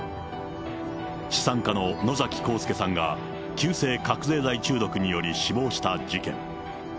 資産家の野崎幸助さんが、急性覚醒剤中毒により死亡した事件。